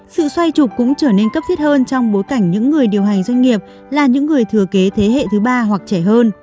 sự xoay trục cũng trở nên cấp thiết hơn trong bối cảnh những người điều hành doanh nghiệp là những người thừa kế thế hệ thứ ba hoặc trẻ hơn